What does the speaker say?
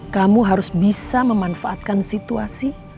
kamu harus bisa memanfaatkan situasi